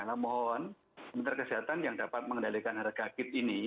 nah mohon kementerian kesehatan yang dapat mengendalikan harga kit ini